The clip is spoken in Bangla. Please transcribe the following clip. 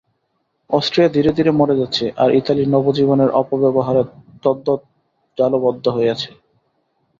অষ্ট্রীয়া ধীরে ধীরে মরে যাচ্ছে, আর ইতালী নব জীবনের অপব্যবহারে তদ্বৎ জালবদ্ধ হয়েছে।